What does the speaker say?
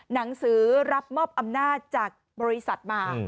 หนังสือรับมอบอำนาจจากบริษัทมา